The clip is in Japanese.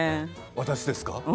私ですか？